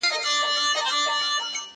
• زما له شرنګه به لړزیږي تر قیامته خلوتونه -